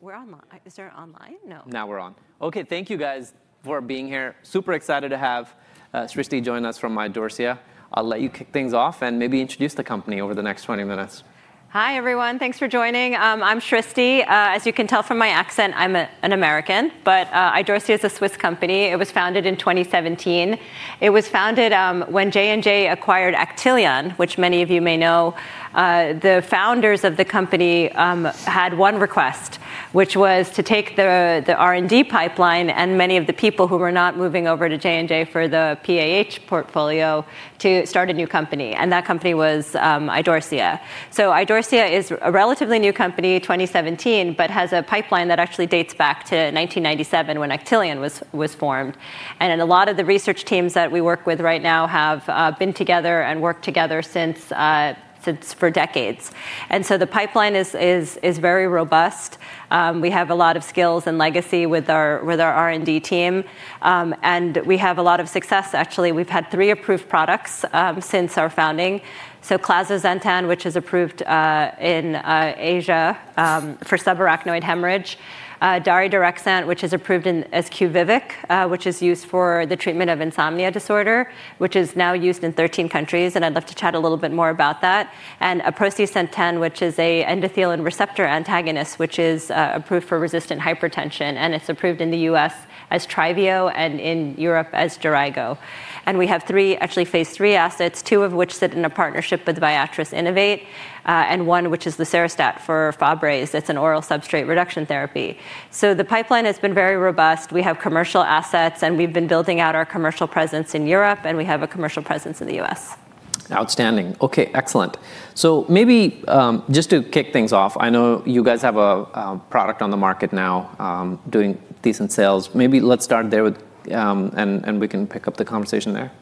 We're online. Is there an online? No. Now we're on. OK, thank you, guys, for being here. Super excited to have Srishti join us from Idorsia. I'll let you kick things off and maybe introduce the company over the next 20 minutes. Hi, everyone. Thanks for joining. I'm Srishti. As you can tell from my accent, I'm an American. But Idorsia is a Swiss company. It was founded in 2017. It was founded when J&J acquired Actelion, which many of you may know. The founders of the company had one request, which was to take the R&D pipeline and many of the people who were not moving over to J&J for the PAH portfolio to start a new company. And that company was Idorsia. So Idorsia is a relatively new company, 2017, but has a pipeline that actually dates back to 1997 when Actelion was formed. And a lot of the research teams that we work with right now have been together and worked together for decades. And so the pipeline is very robust. We have a lot of skills and legacy with our R&D team. And we have a lot of success. Actually, we've had three approved products since our founding. So Clazosentan, which is approved in Asia for subarachnoid hemorrhage. Daridorexant, which is approved as QUVIVIQ, which is used for the treatment of insomnia disorder, which is now used in 13 countries. And I'd love to chat a little bit more about that. And Aprocitentan, which is an endothelin receptor antagonist, which is approved for resistant hypertension. And it's approved in the U.S. as Tryvio and in Europe as Jeraygo. And we have three actually phase three assets, two of which sit in a partnership with Viatris and one which is the Lucerastat for Fabry. It's an oral substrate reduction therapy. So the pipeline has been very robust. We have commercial assets. And we've been building out our commercial presence in Europe. And we have a commercial presence in the U.S. Outstanding. OK, excellent. So maybe just to kick things off, I know you guys have a product on the market now doing decent sales. Maybe let's start there and we can pick up the conversation there.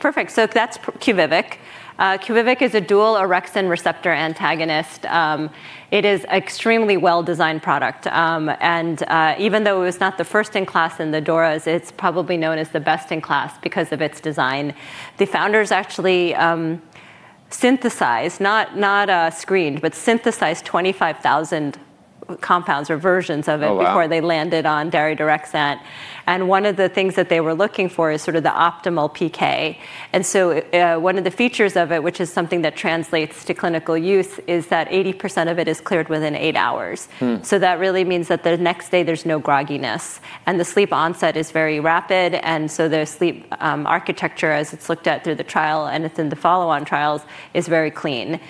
Perfect. So that's QUVIVIQ. QUVIVIQ is a dual orexin receptor antagonist. It is an extremely well-designed product. And even though it was not the first in class in the DORAs, it's probably known as the best in class because of its design. The founders actually synthesized, not screened, but synthesized 25,000 compounds or versions of it before they landed on Daridorexant. And one of the things that they were looking for is sort of the optimal PK. And so one of the features of it, which is something that translates to clinical use, is that 80% of it is cleared within eight hours. So that really means that the next day there's no grogginess. And the sleep onset is very rapid. And so the sleep architecture, as it's looked at through the trial and it's in the follow-on trials, is very clean.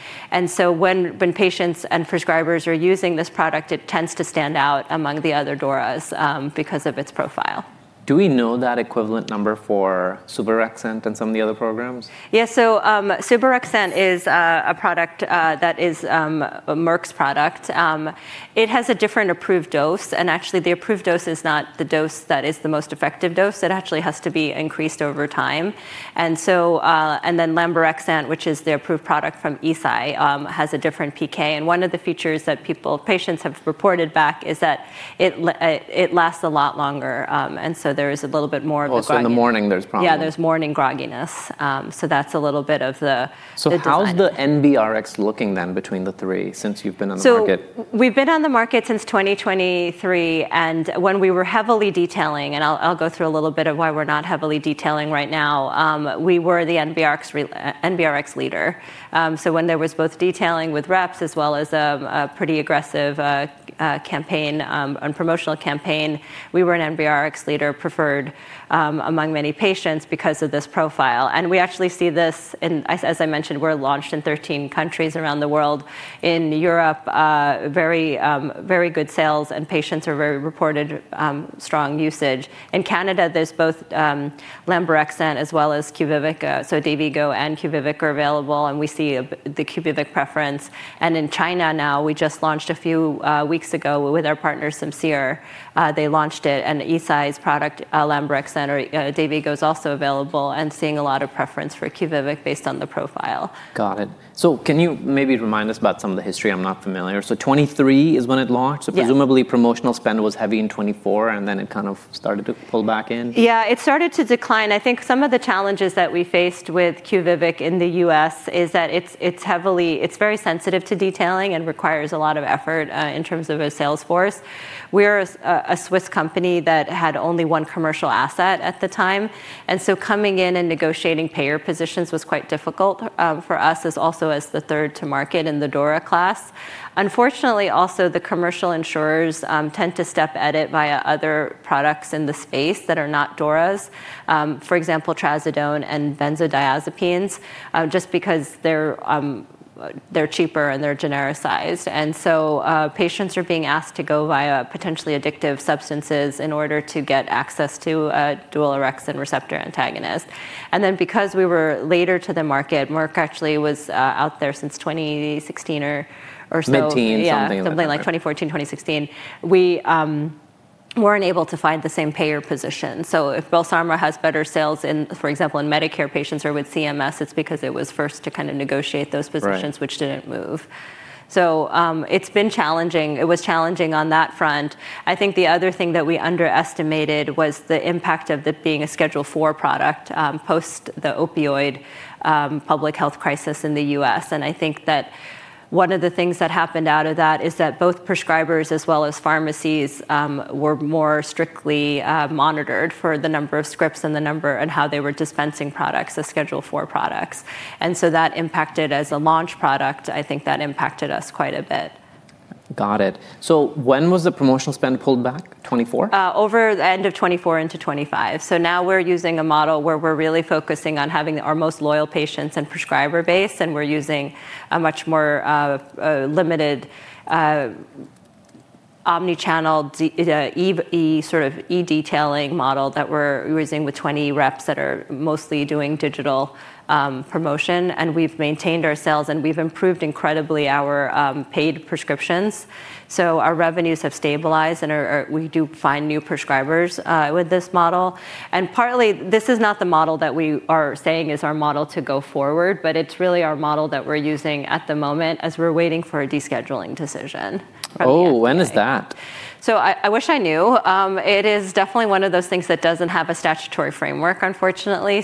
When patients and prescribers are using this product, it tends to stand out among the other DORAs because of its profile. Do we know that equivalent number for Suvorexant and some of the other programs? Yeah, so Suvorexant is a product that is a Merck's product. It has a different approved dose. And actually, the approved dose is not the dose that is the most effective dose. It actually has to be increased over time. And then lemborexant, which is the approved product from Eisai, has a different PK. And one of the features that patients have reported back is that it lasts a lot longer. And so there is a little bit more of a grogginess. Also in the morning, there's probably. Yeah, there's morning grogginess. So that's a little bit of the. How's the NBRX looking then between the three since you've been on the market? So we've been on the market since 2023. And when we were heavily detailing, and I'll go through a little bit of why we're not heavily detailing right now, we were the NBRX leader. So when there was both detailing with reps as well as a pretty aggressive campaign and promotional campaign, we were an NBRX leader preferred among many patients because of this profile. And we actually see this, as I mentioned, we're launched in 13 countries around the world. In Europe, very good sales. And patients are reporting strong usage. In Canada, there's both Lemborexant as well as QUVIVIQ. So Dayvigo and QUVIVIQ are available. And we see the QUVIVIQ preference. And in China now, we just launched a few weeks ago with our partner Simcere. They launched it. Eisai's product, Lemborexant, Dayvigo is also available and seeing a lot of preference for QUVIVIQ based on the profile. Got it. So can you maybe remind us about some of the history? I'm not familiar. So 2023 is when it launched. So presumably, promotional spend was heavy in 2024. And then it kind of started to pull back in? Yeah, it started to decline. I think some of the challenges that we faced with QUVIVIQ in the U.S. is that it's very sensitive to detailing and requires a lot of effort in terms of a sales force. We're a Swiss company that had only one commercial asset at the time. And so coming in and negotiating payer positions was quite difficult for us, also as the third to market in the DORA class. Unfortunately, also, the commercial insurers tend to steer to other products in the space that are not DORAs, for example, trazodone and benzodiazepines, just because they're cheaper and they're genericized. And so patients are being asked to go via potentially addictive substances in order to get access to a dual orexin receptor antagonist. And then because we were later to the market, Merck actually was out there since 2016 or so. 2019, something like that. Yeah, something like 2014, 2016. We weren't able to find the same payer position. So if Belsomra has better sales, for example, in Medicare patients or with CMS, it's because it was first to kind of negotiate those positions, which didn't move. So it's been challenging. It was challenging on that front. I think the other thing that we underestimated was the impact of it being a Schedule IV product post the opioid public health crisis in the U.S. And I think that one of the things that happened out of that is that both prescribers as well as pharmacies were more strictly monitored for the number of scripts and the number and how they were dispensing products, the Schedule IV products. And so that impacted as a launch product, I think that impacted us quite a bit. Got it. So when was the promotional spend pulled back? 2024? Over the end of 2024 into 2025, so now we're using a model where we're really focusing on having our most loyal patients and prescriber base, and we're using a much more limited omnichannel sort of e-detailing model that we're using with 20 reps that are mostly doing digital promotion, and we've maintained our sales, and we've improved incredibly our paid prescriptions, so our revenues have stabilized, and we do find new prescribers with this model, and partly, this is not the model that we are saying is our model to go forward, but it's really our model that we're using at the moment as we're waiting for a descheduling decision. Oh, when is that? I wish I knew. It is definitely one of those things that doesn't have a statutory framework, unfortunately.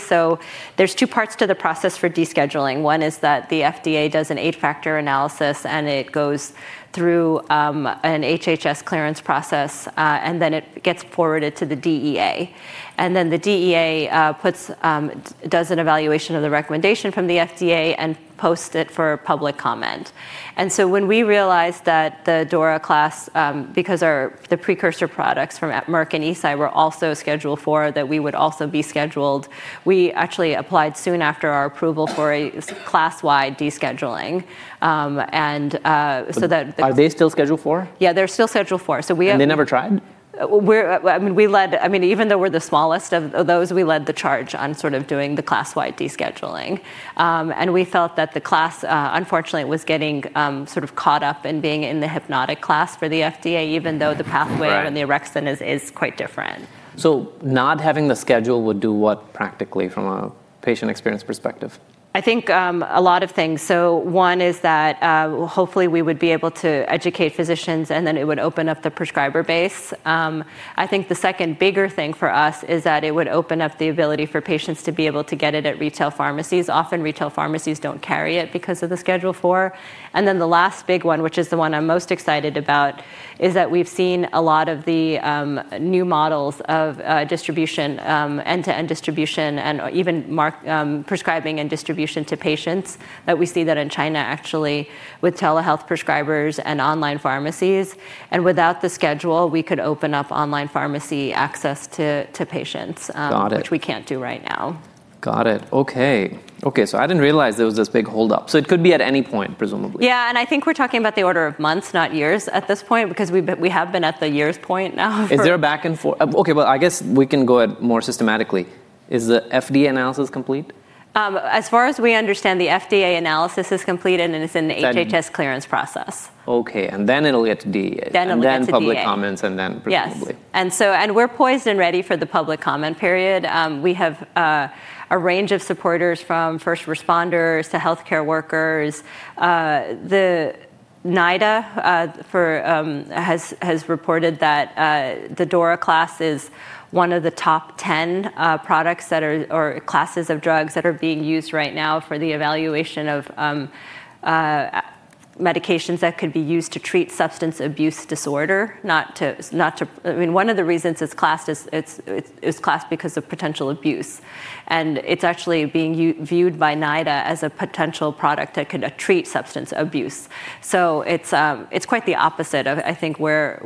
There's two parts to the process for descheduling. One is that the FDA does an eight-factor analysis. It goes through an HHS clearance process. Then it gets forwarded to the DEA. The DEA does an evaluation of the recommendation from the FDA and posts it for public comment. When we realized that the DORA class, because the precursor products from Merck and Eisai were also Schedule IV, that we would also be scheduled, we actually applied soon after our approval for a class-wide descheduling. That. Are they still Schedule IV? Yeah, they're still Schedule IV. So we have. And they never tried? I mean, even though we're the smallest of those, we led the charge on sort of doing the class-wide descheduling. And we felt that the class, unfortunately, was getting sort of caught up in being in the hypnotic class for the FDA, even though the pathway and the orexin is quite different. So not having the schedule would do what practically from a patient experience perspective? I think a lot of things, so one is that hopefully we would be able to educate physicians, and then it would open up the prescriber base. I think the second bigger thing for us is that it would open up the ability for patients to be able to get it at retail pharmacies. Often, retail pharmacies don't carry it because of the Schedule IV, and then the last big one, which is the one I'm most excited about, is that we've seen a lot of the new models of distribution, end-to-end distribution, and even prescribing and distribution to patients that we see that in China, actually, with telehealth prescribers and online pharmacies, and without the schedule, we could open up online pharmacy access to patients, which we can't do right now. Got it. OK. OK, so I didn't realize there was this big holdup. So it could be at any point, presumably. Yeah, and I think we're talking about the order of months, not years, at this point, because we have been at the years point now. Is there a back and forth? OK, well, I guess we can go at it more systematically. Is the FDA analysis complete? As far as we understand, the FDA analysis is completed, and it's in the HHS clearance process. OK, and then it'll get to DEA. Then it'll get to DEA. And then public comments, and then presumably. Yes, and we're poised and ready for the public comment period. We have a range of supporters from first responders to health care workers. The NIDA has reported that the DORA class is one of the top 10 classes of drugs that are being used right now for the evaluation of medications that could be used to treat substance abuse disorder. I mean, one of the reasons it's classed is it's classed because of potential abuse. It's actually being viewed by NIDA as a potential product that could treat substance abuse. So it's quite the opposite of, I think, where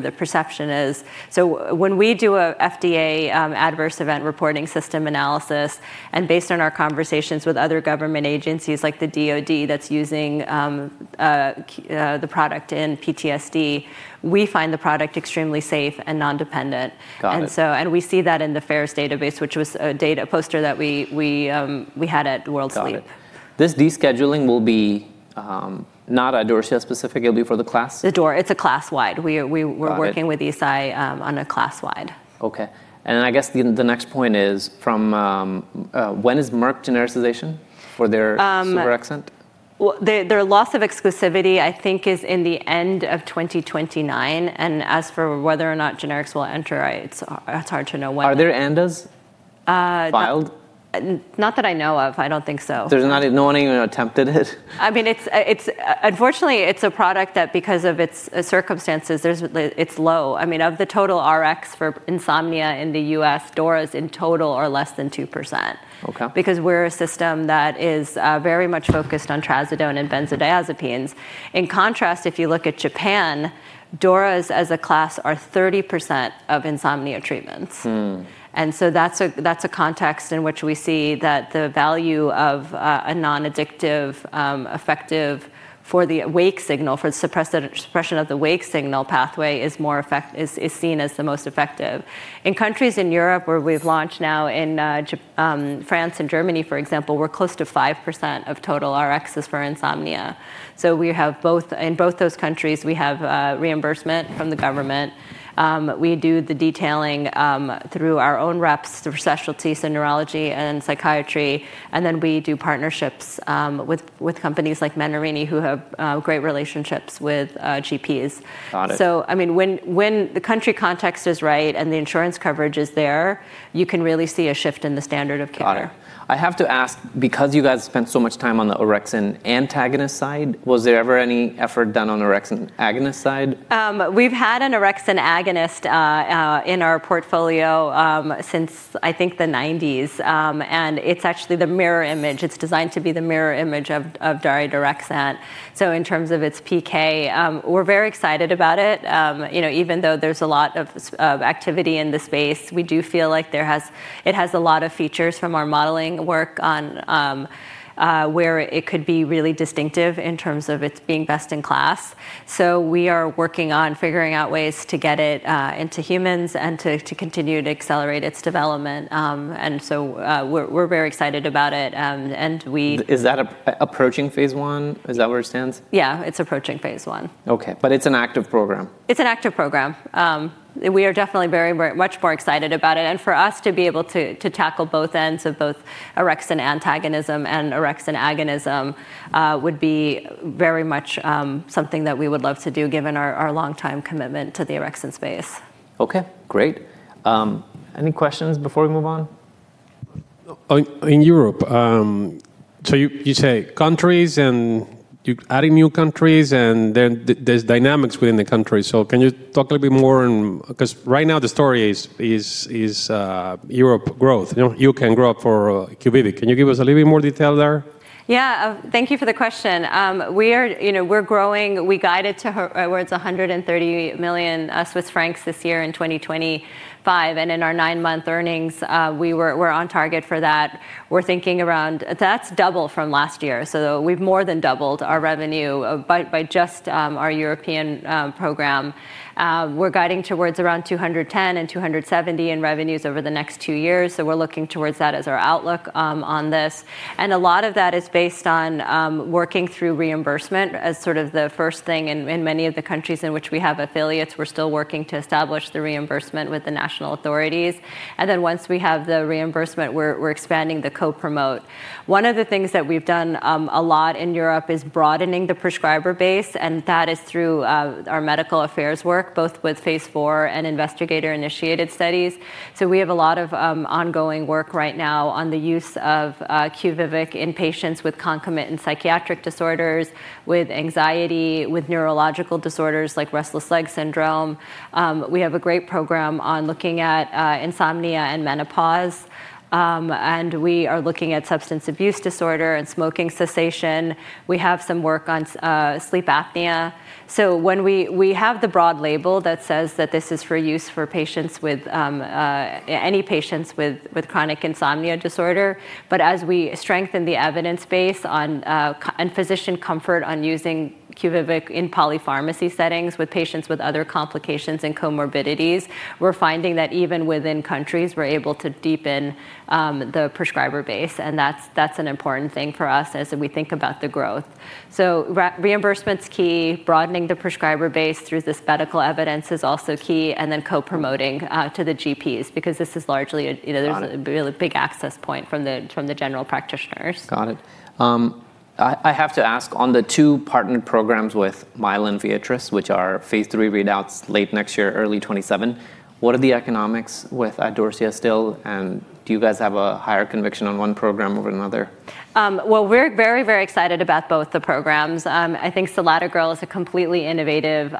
the perception is. When we do an FDA Adverse Event Reporting System analysis, and based on our conversations with other government agencies like the DOD that's using the product in PTSD, we find the product extremely safe and non-dependent. We see that in the FAERS database, which was a data poster that we had at World Sleep. Got it. This descheduling will be not at Idorsia specifically for the class? It's a class-wide. We're working with Eisai on a class-wide. OK. And I guess the next point is, when is Merck genericization for their Suvorexant? Their loss of exclusivity, I think, is in the end of 2029. As for whether or not generics will enter, it's hard to know when. Are there INDs filed? Not that I know of. I don't think so. No one even attempted it? I mean, unfortunately, it's a product that because of its circumstances, it's low. I mean, of the total Rx for insomnia in the U.S., DORAs in total are less than 2%. Because we're a system that is very much focused on trazodone and benzodiazepines. In contrast, if you look at Japan, DORAs as a class are 30% of insomnia treatments. And so that's a context in which we see that the value of a non-addictive effect for the wake signal, for the suppression of the wake signal pathway, is seen as the most effective. In countries in Europe where we've launched now, in France and Germany, for example, we're close to 5% of total Rxs for insomnia. So in both those countries, we have reimbursement from the government. We do the detailing through our own reps, the specialties in neurology and psychiatry. And then we do partnerships with companies like Menarini, who have great relationships with GPs. So I mean, when the country context is right and the insurance coverage is there, you can really see a shift in the standard of care. I have to ask, because you guys spent so much time on the orexin antagonist side, was there ever any effort done on the orexin agonist side? We've had an orexin agonist in our portfolio since, I think, the 1990s. And it's actually the mirror image. It's designed to be the mirror image of daridorexant. So in terms of its PK, we're very excited about it. Even though there's a lot of activity in the space, we do feel like it has a lot of features from our modeling work on where it could be really distinctive in terms of its being best in class. So we are working on figuring out ways to get it into humans and to continue to accelerate its development. And so we're very excited about it. And we. Is that approaching phase one? Is that where it stands? Yeah, it's approaching phase one. OK, but it's an active program. It's an active program. We are definitely very much more excited about it, and for us to be able to tackle both ends of both orexin antagonism and orexin agonism would be very much something that we would love to do, given our long-time commitment to the orexin space. OK, great. Any questions before we move on? In Europe, so you say countries and you're adding new countries. And then there's dynamics within the country. So can you talk a little bit more? Because right now, the story is Europe growth for QUVIVIQ. Can you give us a little bit more detail there? Yeah, thank you for the question. We're growing. We guided towards 130 million Swiss francs this year in 2025. And in our nine-month earnings, we're on target for that. We're thinking around that's double from last year. So we've more than doubled our revenue by just our European program. We're guiding towards around 210 million and 270 million in revenues over the next two years. So we're looking towards that as our outlook on this. And a lot of that is based on working through reimbursement as sort of the first thing. In many of the countries in which we have affiliates, we're still working to establish the reimbursement with the national authorities. And then once we have the reimbursement, we're expanding the co-promote. One of the things that we've done a lot in Europe is broadening the prescriber base. And that is through our medical affairs work, both with phase 4 and investigator-initiated studies. So we have a lot of ongoing work right now on the use of QUVIVIQ in patients with concomitant psychiatric disorders, with anxiety, with neurological disorders like restless leg syndrome. We have a great program on looking at insomnia and menopause. And we are looking at substance abuse disorder and smoking cessation. We have some work on sleep apnea. So we have the broad label that says that this is for use for any patients with chronic insomnia disorder. But as we strengthen the evidence base and physician comfort on using QUVIVIQ in polypharmacy settings with patients with other complications and comorbidities, we're finding that even within countries, we're able to deepen the prescriber base. And that's an important thing for us as we think about the growth. So reimbursement's key. Broadening the prescriber base through this medical evidence is also key, and then co-promoting to the GPs, because this is largely a big access point from the general practitioners. Got it. I have to ask, on the two partner programs with Mylan and Viatris, which are phase three readouts late next year, early 2027, what are the economics with Idorsia still? And do you guys have a higher conviction on one program over another? We're very, very excited about both the programs. I think Selatogrel is a completely innovative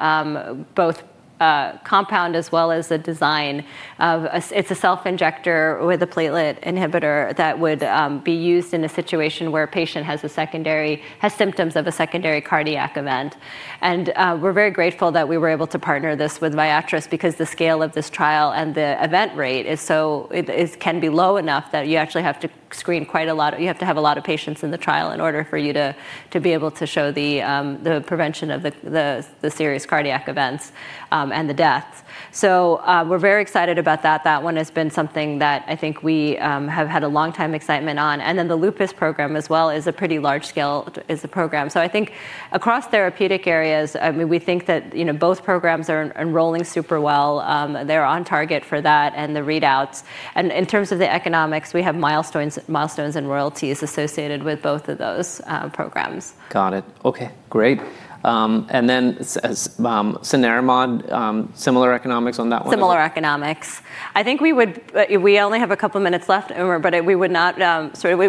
both compound as well as a design. It's a self-injector with a platelet inhibitor that would be used in a situation where a patient has symptoms of a secondary cardiac event. And we're very grateful that we were able to partner this with Viatris, because the scale of this trial and the event rate can be low enough that you actually have to screen quite a lot. You have to have a lot of patients in the trial in order for you to be able to show the prevention of the serious cardiac events and the deaths. So we're very excited about that. That one has been something that I think we have had a long-time excitement on. And then the Lupus program as well is a pretty large-scale program. So I think across therapeutic areas, we think that both programs are enrolling super well. They're on target for that and the readouts. And in terms of the economics, we have milestones and royalties associated with both of those programs. Got it. OK, great. And then Cenerimod, similar economics on that one? Similar economics. I think we only have a couple of minutes left. But we would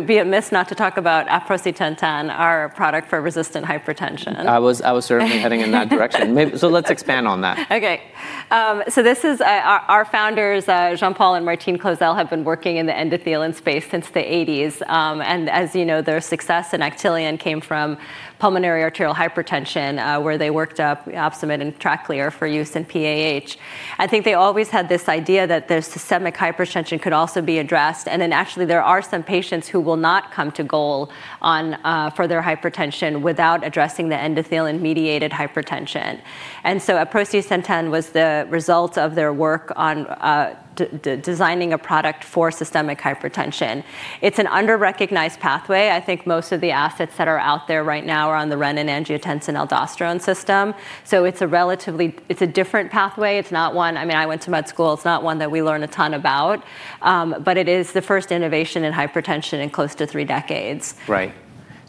be amiss not to talk about Aprocitentan, our product for resistant hypertension. I was certainly heading in that direction. So let's expand on that. OK. So our founders, Jean-Paul and Martine Clozel, have been working in the endothelin space since the '80s. And as you know, their success in Actelion came from pulmonary arterial hypertension, where they worked up Opsumit and Tracleer for use in PAH. I think they always had this idea that the systemic hypertension could also be addressed. And then actually, there are some patients who will not come to goal for their hypertension without addressing the endothelin-mediated hypertension. And so Aprocitentan was the result of their work on designing a product for systemic hypertension. It's an under-recognized pathway. I think most of the assets that are out there right now are on the renin, angiotensin, aldosterone system. So it's a different pathway. I mean, I went to med school. It's not one that we learn a ton about. But it is the first innovation in hypertension in close to three decades.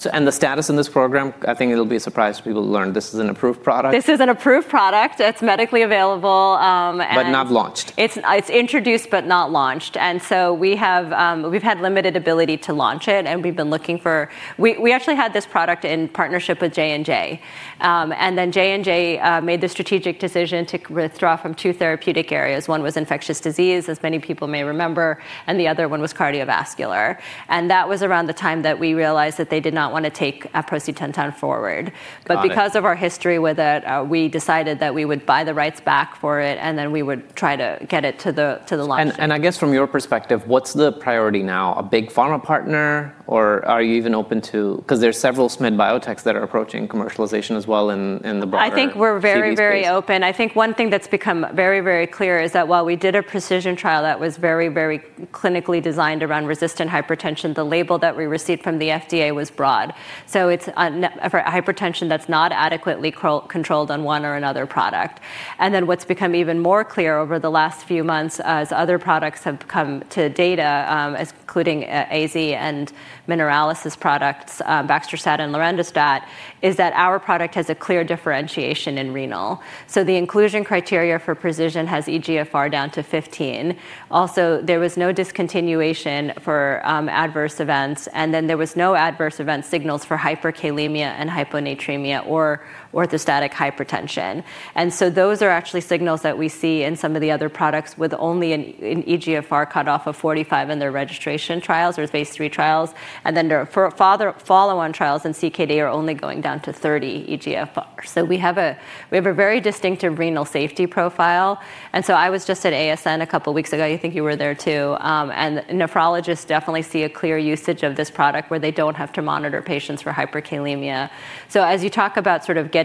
Right. And the status of this program, I think it'll be a surprise to people who learned this is an approved product. This is an approved product. It's medically available. But not launched. It's introduced, but not launched. And so we've had limited ability to launch it. And we've been looking for. We actually had this product in partnership with J&J. And then J&J made the strategic decision to withdraw from two therapeutic areas. One was infectious disease, as many people may remember. And the other one was cardiovascular. And that was around the time that we realized that they did not want to take Aprocitentan forward. But because of our history with it, we decided that we would buy the rights back for it. And then we would try to get it to the launch point. And I guess from your perspective, what's the priority now? A big pharma partner? Or are you even open to because there are several small biotechs that are approaching commercialization as well in the blood pressure? I think we're very, very open. I think one thing that's become very, very clear is that while we did a PRECISION trial that was very, very clinically designed around resistant hypertension, the label that we received from the FDA was broad, so it's for hypertension that's not adequately controlled on one or another product. And then what's become even more clear over the last few months, as other products have come to data, including AZ and Mineralys products, Baxdrostat and Lorundrostat, is that our product has a clear differentiation in renal. So the inclusion criteria for PRECISION has eGFR down to 15. Also, there was no discontinuation for adverse events. And then there were no adverse event signals for hyperkalemia and hyponatremia or orthostatic hypotension. And so those are actually signals that we see in some of the other products with only an eGFR cutoff of 45 in their registration trials or phase three trials. And then their follow-on trials in CKD are only going down to 30 eGFR. So we have a very distinctive renal safety profile. And so I was just at ASN a couple of weeks ago. I think you were there too. And nephrologists definitely see a clear usage of this product where they don't have to monitor patients for hyperkalemia. So as you talk about sort of getting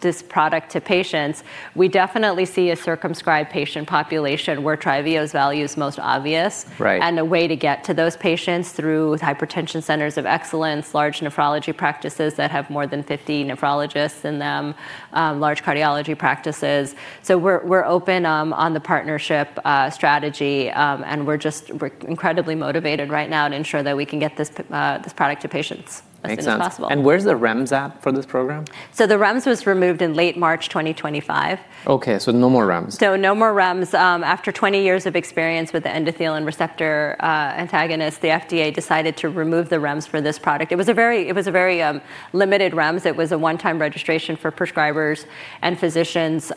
this product to patients, we definitely see a circumscribed patient population where Tryvio's value is most obvious. And a way to get to those patients through hypertension centers of excellence, large nephrology practices that have more than 50 nephrologists in them, large cardiology practices. So we're open on the partnership strategy. We're just incredibly motivated right now to ensure that we can get this product to patients as soon as possible. Where's the REMS app for this program? So the REMS was removed in late March 2025. OK, so no more REMS. So no more REMS. After 20 years of experience with the endothelin receptor antagonist, the FDA decided to remove the REMS for this product. It was a very limited REMS. It was a one-time registration for prescribers and physicians.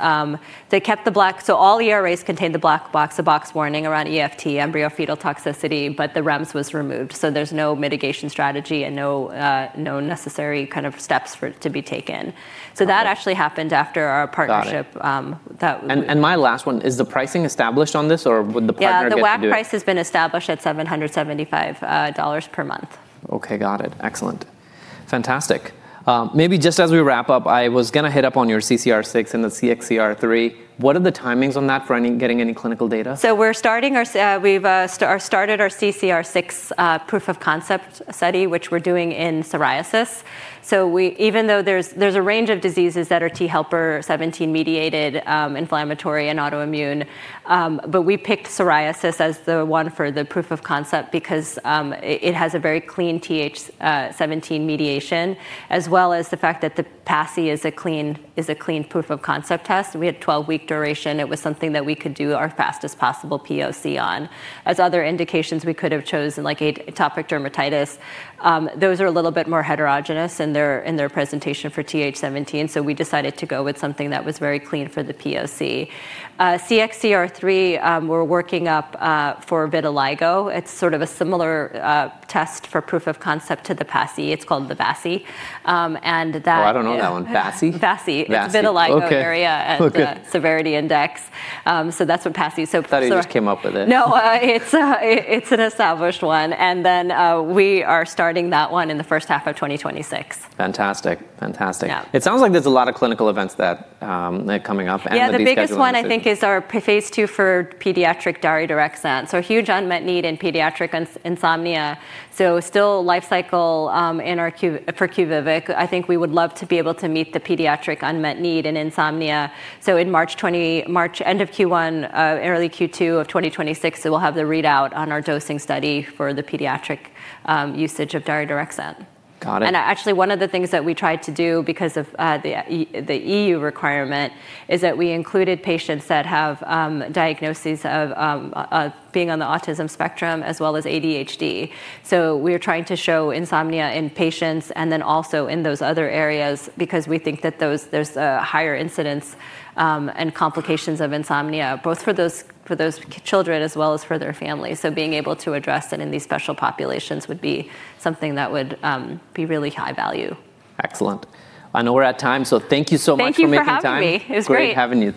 They kept the black box so all ERAs contained the black box warning around EFT, embryo-fetal toxicity. But the REMS was removed. So there's no mitigation strategy and no necessary kind of steps to be taken. So that actually happened after our partnership. My last one is the pricing established on this? Or would the partner get it? Yeah, the WAC price has been established at $775 per month. OK, got it. Excellent. Fantastic. Maybe just as we wrap up, I was going to hit up on your CCR6 and the CXCR3. What are the timings on that for getting any clinical data? So we've started our CCR6 proof of concept study, which we're doing in psoriasis. So even though there's a range of diseases that are T helper 17-mediated, inflammatory, and autoimmune, but we picked psoriasis as the one for the proof of concept because it has a very clean TH17 mediation, as well as the fact that the PASI is a clean proof of concept test. We had a 12-week duration. It was something that we could do our fastest possible POC on. As other indications, we could have chosen like atopic dermatitis. Those are a little bit more heterogeneous in their presentation for TH17. So we decided to go with something that was very clean for the POC. CXCR3, we're working up for vitiligo. It's sort of a similar test for proof of concept to the PASI. It's called the VASI. And that. Oh, I don't know that one. VASI? VASI. It's vitiligo area severity index. So that's what PASI, so. Study just came up with it. No, it's an established one. And then we are starting that one in the first half of 2026. Fantastic, fantastic. It sounds like there's a lot of clinical events that are coming up. Yeah, the biggest one, I think, is our phase two for pediatric daridorexant, so huge unmet need in pediatric insomnia, so still life cycle for QUVIVIQ. I think we would love to be able to meet the pediatric unmet need in insomnia, so in March, end of Q1, early Q2 of 2026, we'll have the readout on our dosing study for the pediatric usage of daridorexant. Got it. And actually, one of the things that we tried to do because of the EU requirement is that we included patients that have diagnoses of being on the autism spectrum as well as ADHD. So we are trying to show insomnia in patients and then also in those other areas, because we think that there's a higher incidence and complications of insomnia, both for those children as well as for their families. So being able to address it in these special populations would be something that would be really high value. Excellent. I know we're at time. So thank you so much for making time. Thank you for having me. It was great.